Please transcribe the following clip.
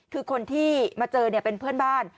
คือคนที่มาเจอเป็นเพื่อนบ้าน